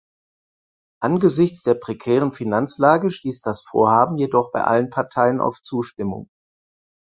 Angesichts der prekären Finanzlage stiess das Vorhaben jedoch bei allen Parteien auf Zustimmung.